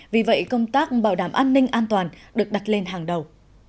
vì vậy công tác bảo đảm an ninh an toàn được đặt lên hàng đầu